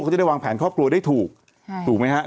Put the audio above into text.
เขาจะได้วางแผนครอบครัวได้ถูกถูกไหมครับ